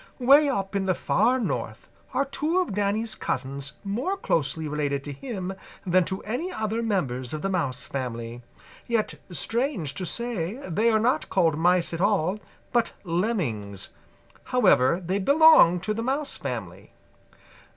"Way up in the Far North are two of Danny's cousins more closely related to him than to any other members of the Mouse family. Yet, strange to say, they are not called Mice at all, but Lemmings. However, they belong to the Mouse family.